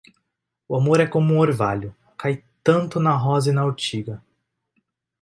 O amor é como um orvalho; cai tanto na rosa e na urtiga.